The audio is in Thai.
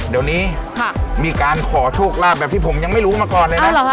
เดี๋ยวนี้มีการขอโชคลาภแบบที่ผมยังไม่รู้มาก่อนเลยนะ